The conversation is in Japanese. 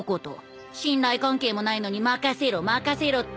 信頼関係もないのに任せろ任せろって。